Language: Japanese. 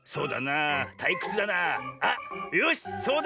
あっよしそうだ！